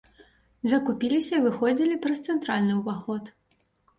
Закупіліся і выходзілі праз цэнтральны ўваход.